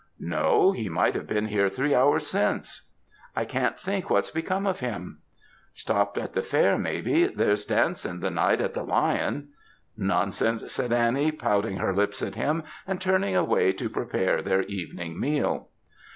"No; he might have been here three hours since. I can't think what's become of him." "Stopt at the Fair, may be; there's dancing the night at the Lion." "Nonsense!" said Annie, pouting her lips at him, and turning away to prepare their evening meal.